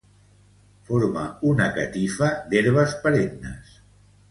Forma una catifa d'herbes perennes.